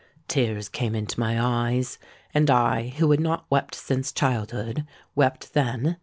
Tears came into my eyes; and I, who had not wept since childhood, wept then.